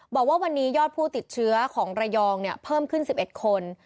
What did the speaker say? บอกว่าวันนี้ยอดผู้ติดเชื้อของระยองเพิ่มขึ้น๑๑คน